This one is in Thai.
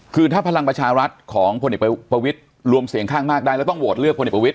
คือถ้าพลังประชารัฐของพลเอกประวิทย์รวมเสียงข้างมากได้แล้วต้องโหวตเลือกพลเอกประวิท